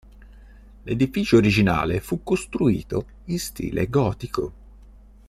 L'edificio originale fu costruito in stile gotico.